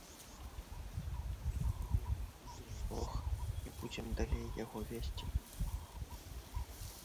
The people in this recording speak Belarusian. Але мы верым у дыялог і будзем далей яго весці.